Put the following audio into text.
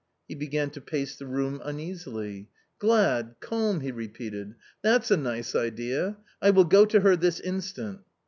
He began to pace the room uneasily. " Glad, calm !" he repeated ;" that's a nice idea ! I will go to her this instant."